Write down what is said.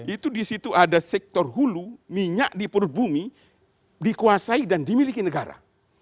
itu di situ ada sektor hulu minyak di perut bumi dikuasai dan dimiliki negara